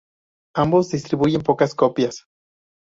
Ambos distribuyen pocas copias.